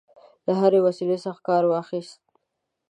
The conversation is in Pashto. له هري وسیلې څخه کارواخیست.